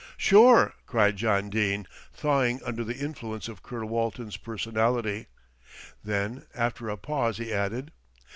"Sure," cried John Dene, thawing under the influence of Colonel Walton's personality, then after a pause he added.